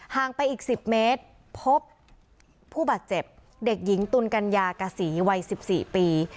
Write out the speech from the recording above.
งไปอีก๑๐เมตรพบผู้บาดเจ็บเด็กหญิงตุลกัญญากษีวัย๑๔ปี